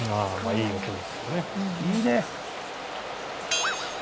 いいね。